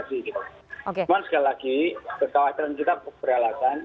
cuma sekali lagi kekawasan kita berhalakan